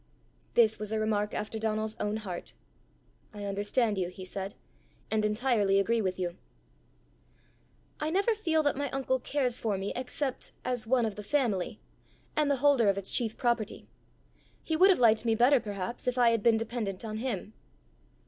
This was a remark after Donal's own heart. "I understand you," he said, "and entirely agree with you." "I never feel that my uncle cares for me except as one of the family, and the holder of its chief property. He would have liked me better, perhaps, if I had been dependent on him."